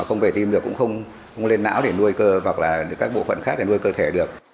không về tim được cũng không lên não để nuôi cơ hoặc là các bộ phận khác để nuôi cơ thể được